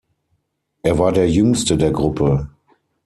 Er war der jüngste der Gruppe.